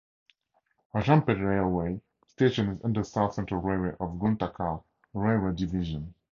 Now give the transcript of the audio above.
Rajampet railway station is under South Central Railway of Guntakal railway division.